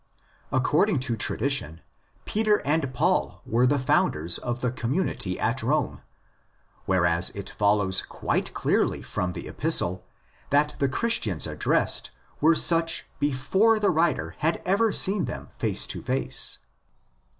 According to tradition, Peter and Paul were the founders of the community at Rome; whereas it follows quite clearly from the Epistle that the Christians addressed were such before the writer had ever seen them face to face.